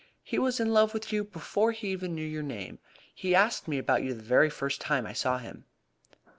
He was in love with you before he ever knew your name. He asked me about you the very first time I saw him."